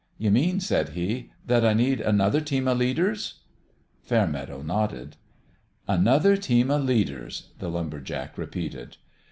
" You mean," said he, " that I need another team of leaders ?" Fairmeadow nodded. " Another team of leaders," the lumber jack repeated.